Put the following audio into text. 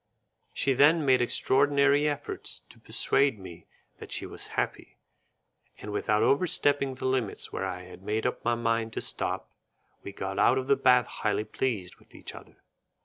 She then made extraordinary efforts to persuade me that she was happy, and without overstepping the limits where I had made up my mind to stop, we got out of the bath highly pleased with each other.